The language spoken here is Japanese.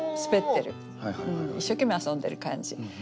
一生懸命遊んでる感じ。